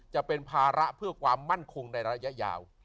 จะเป็นภาระเพื่อความมั่นคงในระยะยาว